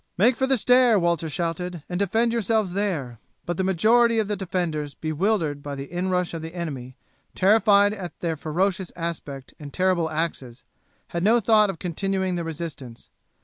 "Make for the stair," Walter shouted, "and defend yourselves there." But the majority of the defenders, bewildered by the inrush of the enemy, terrified at their ferocious aspect and terrible axes, had no thought of continuing the resistance.